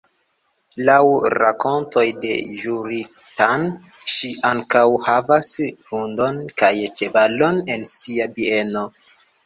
Laŭ rakontoj de Ĵuri-tan, ŝi ankaŭ havas hundon kaj ĉevalon en sia bieno.